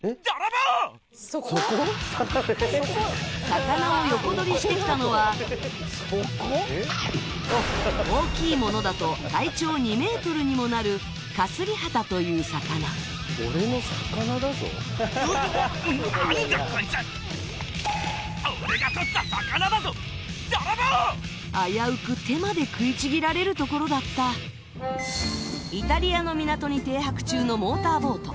魚を横取りしてきたのは大きいものだと体長２ｍにもなるカスリハタという魚危うく手まで食いちぎられるところだったイタリアの港に停泊中のモーターボート